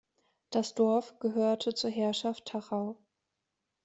Das Dorf gehörte zur Herrschaft Tachau.